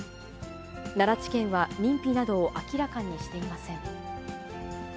奈良地検は認否などを明らかにしていません。